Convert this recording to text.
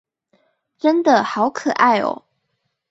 真的好可愛喔